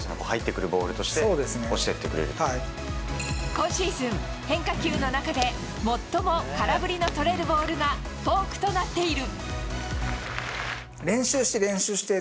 今シーズン、変化球の中で最も空振りのとれるボールがフォークとなっている。